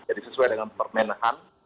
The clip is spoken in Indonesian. jadi sesuai dengan permenahan